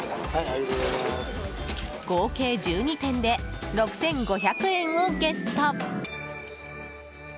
合計１２点で６５００円をゲット。